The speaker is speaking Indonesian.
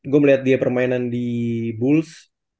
gue melihat dia permainan di bulls